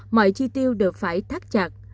mọi chi tiêu đều phải thắt chặt